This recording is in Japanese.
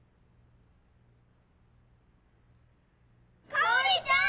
香織ちゃん！